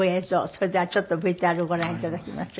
それではちょっとＶＴＲご覧頂きましょう。